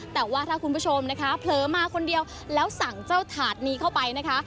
แต่ว่าถ้าคุณผู้ชมนะคะเผลอมาคนเดียวแล้วสั่งเจ้าถาดนี้เข้าไปนะคะ